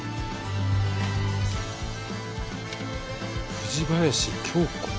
「藤林経子」。